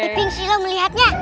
iping sih lo melihatnya